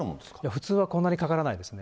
普通はこんなにかからないですね。